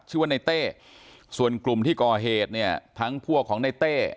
ชื่อว่าในเต้ส่วนกลุ่มที่ก่อเหตุเนี่ยทั้งพวกของในเต้